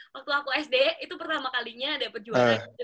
waktu aku sd itu pertama kalinya dapat juara